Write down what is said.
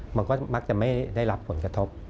มันก็มักจะไม่ได้รับผลกระทบ